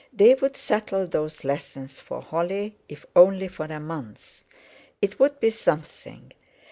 They would settle those lessons for Holly, if only for a month. It would be something.